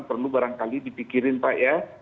perlu barangkali dipikirin pak ya